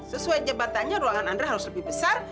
sesuai jabatannya ruangan andra harus lebih besar